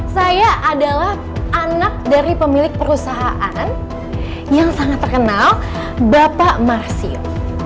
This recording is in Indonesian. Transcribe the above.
saya adalah anak dari pemilik perusahaan yang sangat terkenal bapak marsil